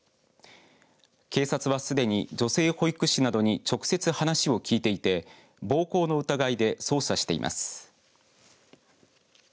警察はすでに、女性保育士などに直接話を聞いていて暴行の疑いで捜査しています。